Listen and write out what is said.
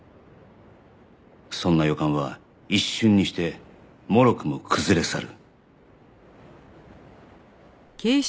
そんな予感は一瞬にしてもろくも崩れ去る